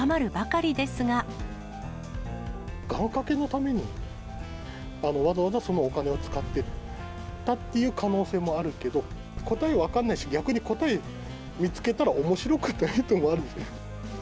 願掛けのために、わざわざそのお金を使ったっていう可能性もあるけど、答えは分からないし、逆に答え見つけたらおもしろくないっていうところあるんですね。